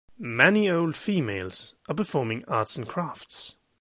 many old females are performing arts and crafts